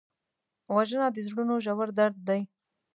وژنه د زړونو ژور درد دی